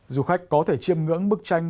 du khách có thể chiêm ngưỡng bức tranh